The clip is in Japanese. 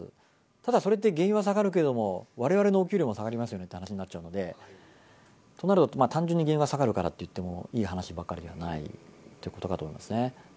ただ、それで原油は下がりますけれども、われわれのお給料も下がりますよねっていう話になっちゃうので、となると、単純に原油が下がるといっても、いい話ばかりではないということ